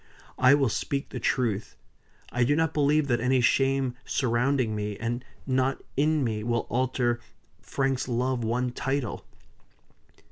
I will speak the truth. I do not believe that any shame surrounding me, and not in me, will alter Frank's love one title."